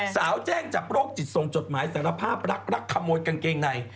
แจ้งจับโรคจิตส่งจดหมายสารภาพรักรักขโมยกางเกงใน